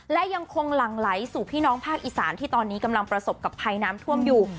และยังคงหลั่งไหลสู่พี่น้องภาคอีสานที่ตอนนี้กำลังประสบกับภัยน้ำท่วมอยู่